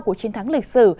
của chiến thắng lịch sử